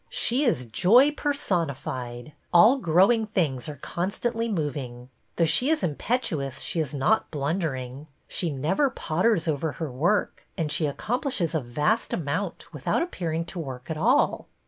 She is joy personified. All growing things are constantly moving. Though she is im petuous she is not blundering; she never potters over her work, and she accomplishes a vast amount without appearing to work at all."